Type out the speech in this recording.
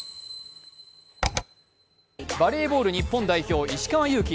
バレーボール日本代表石川祐希。